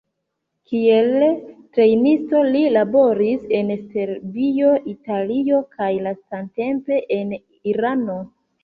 Kiel trejnisto li laboris en Serbio, Italio kaj lastatempe en Irano.